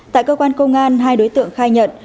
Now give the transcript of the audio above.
tại cơ quan công an hai đối tượng khai nhận